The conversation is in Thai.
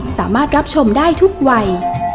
สามารถรับชมได้ทุกวัย